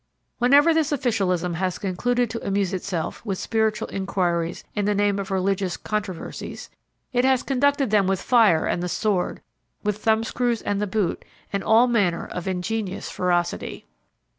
Whenever this officialism has concluded to amuse itself with spiritual inquiries in the name of religious controversies, it has conducted them with fire and the sword, with thumbscrews and the boot, and all manner of ingenious ferocity.